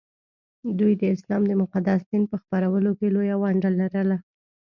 دوی د اسلام د مقدس دین په خپرولو کې لویه ونډه لرله